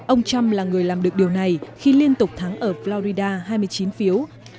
ông trump là người làm được điều này khi liên tục thắng ở florida hai mươi chín phiếu